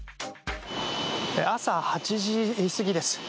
朝８時過ぎです。